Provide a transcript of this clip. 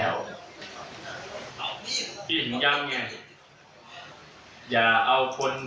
อย่าเอาโพสต์ที่จะมีหัวชาวที่จะทำที่ไม่สร้าง